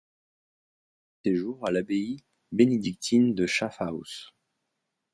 Il termina ses jours à l'abbaye bénédictine de Schaffhouse.